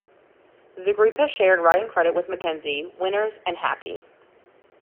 The group has shared writing credit with MacKenzie, Winters and Happy.